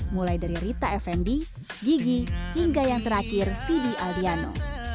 mulai dari rita effendi gigi hingga yang terakhir fidi aldiano